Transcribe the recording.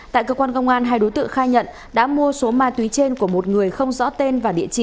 tại cơ quan công an hai đối tượng khai nhận đã mua số ma túy trên của một người không rõ tên